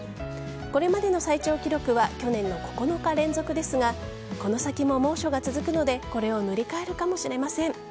これまでの最長記録は去年の９日連続ですがこの先も猛暑が続くのでこれを塗り替えるかもしれません。